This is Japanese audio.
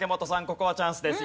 ここはチャンスです。